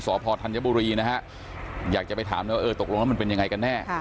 สพธัญบุรีนะฮะอยากจะไปถามนะว่าเออตกลงแล้วมันเป็นยังไงกันแน่